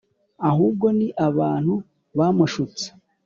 ahubwo ni abantu bamushutse